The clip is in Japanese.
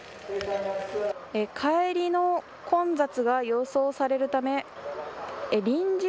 帰りの混雑が予想されるため臨時